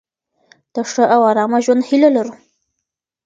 د ښه او آرامه ژوند هیله لرو.